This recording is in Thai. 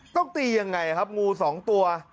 ต้องตียังไงครับงู๒ตัว